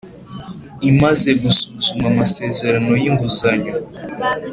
Imaze gusuzuma amasezerano y inguzanyo